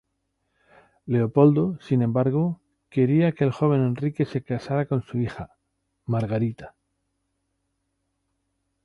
Leopoldo, sin embargo, quería que el joven Enrique se casara con su hija, Margarita.